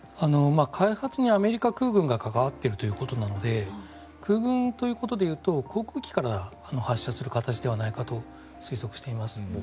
開発にアメリカ空軍が関わっているということなので空軍ということでいうと航空機で発車する形ではないかと推測しています。